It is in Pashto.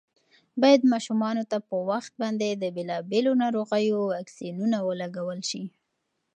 باید ماشومانو ته په وخت باندې د بېلابېلو ناروغیو واکسینونه ولګول شي.